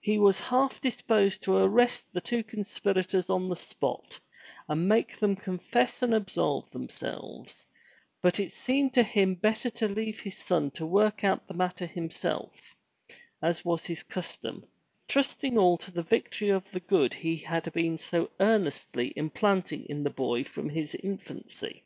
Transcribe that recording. He was half disposed to arrest the two conspirators on the spot, and make them confess and absolve themselves, but it seemed to him better to leave his son to work out the matter himself, as was his custom, trusting all to the victory of the good he had been so earnestly implanting in the boy from his infancy.